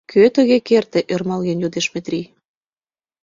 — Кӧ тыге керте? — ӧрмалген йодеш Метрий.